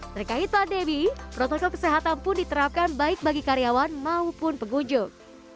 terkait pandemi protokol kesehatan pun diterapkan baik bagi karyawan maupun pengunjung